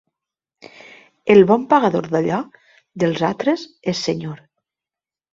El bon pagador d'allò dels altres és senyor.